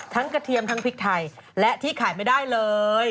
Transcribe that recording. กระเทียมทั้งพริกไทยและที่ขายไม่ได้เลย